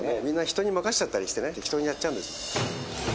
みんな人に任せちゃったりしてね適当にやっちゃうんです。